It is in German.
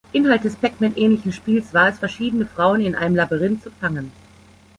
Inhalt des Pac-Man-ähnlichen Spiels war es, verschiedene Frauen in einem Labyrinth zu fangen.